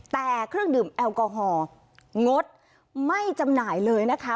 แต่เครื่องดื่มแอลกอฮอลองดไม่จำหน่ายเลยนะคะ